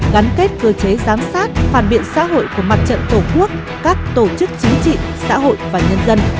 gắn kết cơ chế giám sát phản biện xã hội của mặt trận tổ quốc các tổ chức chính trị xã hội và nhân dân